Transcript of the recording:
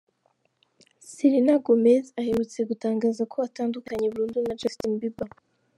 Serena Gomez aherutse gutangaza ko atandukanye burundu na Justin Bieber